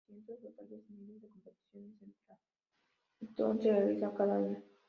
Cientos o tal vez miles de competiciones en triatlón se realizan cada año.